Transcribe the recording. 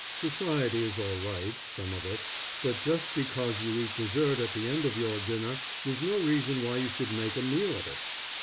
Society is all right, some of it; but just because you eat dessert at the end of your dinner, is no reason why you should make a meal of it.